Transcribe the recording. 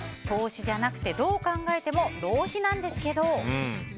投資じゃなくてどう考えても浪費なんですけど。